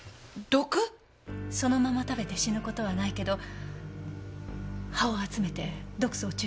そのまま食べて死ぬ事はないけど葉を集めて毒素を抽出すれば。